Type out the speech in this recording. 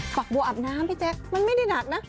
ฝักบัวอาบน้ำพี่แจ๊คมันไม่ได้หนักนะ